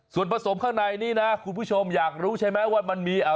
ส่วนผสมข้างในนี้นะคุณผู้ชมอยากรู้ใช่ไหมว่ามันมีอ่ะ